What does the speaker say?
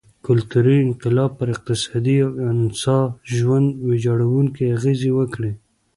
کلتوري انقلاب پر اقتصاد او انسا ژوند ویجاړوونکې اغېزې وکړې.